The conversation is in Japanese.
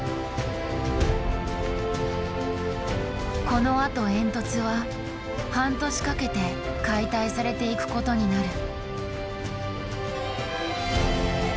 このあと煙突は半年かけて解体されていくことになる。